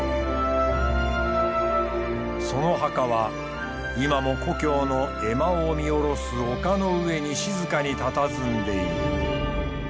その墓は今も故郷の江間を見下ろす丘の上に静かにたたずんでいる。